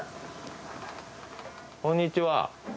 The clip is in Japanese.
こんにちは。